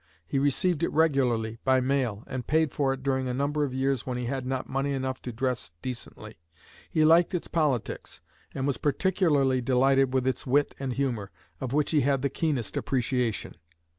He received it regularly by mail, and paid for it during a number of years when he had not money enough to dress decently. He liked its politics, and was particularly delighted with its wit and humor, of which he had the keenest appreciation.